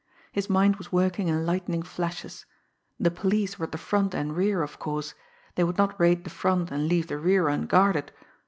His mind was working in lightning flashes. The police were at the front and rear, of course they would not raid the front and leave the rear unguarded!